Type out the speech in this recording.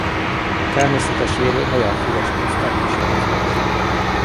Természetes élőhelye a füves puszták és a bozótosok.